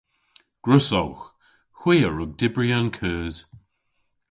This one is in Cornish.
Gwrussowgh. Hwi a wrug dybri an keus.